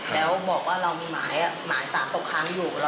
ตอนนี้ธนาคารกำลังจะฟ้องคุณ